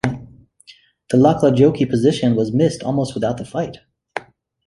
The Laklajoki position was missed almost without the fight.